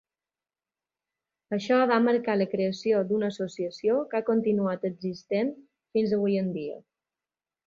Això va marcar la creació d"una associació que ha continuat existent fins avui en dia.